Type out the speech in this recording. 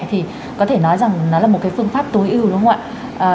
thì có thể nói rằng nó là một cái phương pháp tối ưu đúng không ạ